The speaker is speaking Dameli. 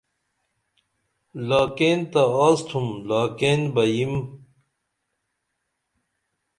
لاکین تہ آستُھم لاکائیں بہ یِم